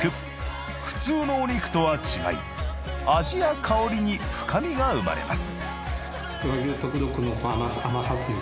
普通のお肉とは違い味や香りに深みが生まれます。